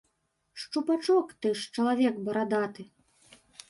Шчупачок, ты ж чалавек барадаты.